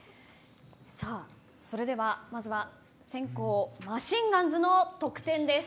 それでは先攻マシンガンズの得点です。